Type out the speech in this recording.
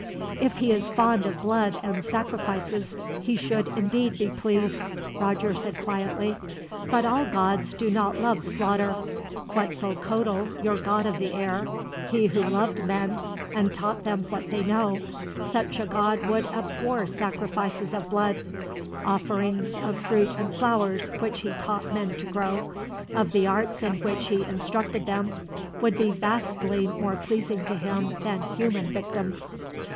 "If he is fond of blood and sacrifices, he should indeed be pleased," Roger said quietly; "but all gods do not love slaughter. Quetzalcoatl, your god of the air, he who loved men and taught them what they know such a god would abhor sacrifices of blood. Offerings of fruit and flowers, which he taught men to grow, of the arts in which he instructed them, would be vastly more pleasing to him than human victims."